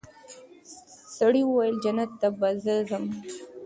سړي وویل جنت ته به زه ځمه